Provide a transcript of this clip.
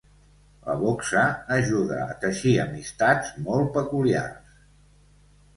La boxa ajuda a teixir amistats molt peculiars.